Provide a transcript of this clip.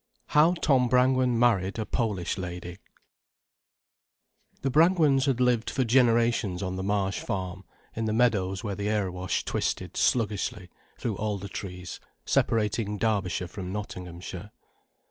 HOW TOM BRANGWEN MARRIED A POLISH LADY I The Brangwens had lived for generations on the Marsh Farm, in the meadows where the Erewash twisted sluggishly through alder trees, separating Derbyshire from Nottinghamshire.